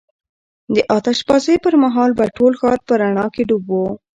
د آتش بازۍ پر مهال به ټول ښار په رڼا کې ډوب و.